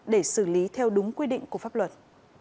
để xử lý theo đúng quy định của pháp luật